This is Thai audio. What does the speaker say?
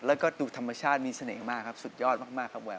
แล้วก็ดูธรรมชาติมีเสน่ห์มากครับสุดยอดมากครับแวน